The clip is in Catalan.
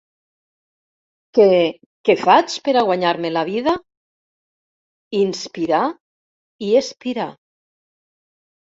Que què faig per a guanyar-me la vida? Inspirar i espirar.